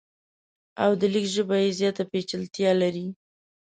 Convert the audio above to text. او د لیک ژبه یې زیاته پیچلتیا لري.